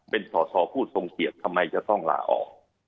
เป็นสอสอผู้ทรงเกียจทำไมจะต้องลาออก